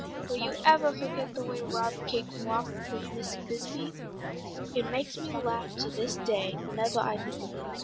Will you evah forget the way Rob cake walked with Mrs. Bisbee? It makes me laugh to this day, whenevah I think of it."